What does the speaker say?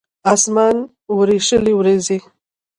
اسمان وریشلې وریځې